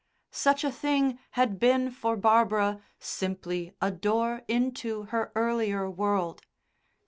Such a thing had been for Barbara simply a door into her earlier world.